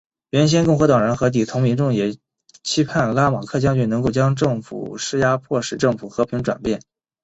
原先共和党人和底层民众也期盼拉马克将军能够向政府施压迫使政府和平转变。